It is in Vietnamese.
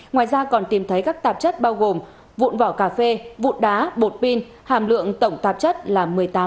ngoài ra còn tìm thấy các tạp chất bao gồm vụn vỏ cà phê vụn đá bột pin hàm lượng tổng tạp chất là một mươi tám